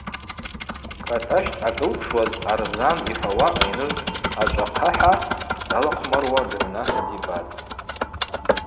Кӏатӏащ дъакӏылпшуаз Арзан йхӏвауа айныжвкӏ ачӏвахъахӏа далахъвмаруа дыгӏвната дибатӏ.